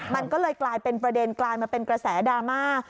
มันก็เลยกลายเป็นประเด็นกลายมาเป็นกระแสดราม่า